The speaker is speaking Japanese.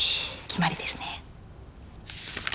決まりですね。